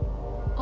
あ。